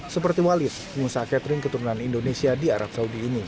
seperti walid pengusaha catering keturunan indonesia di arab saudi ini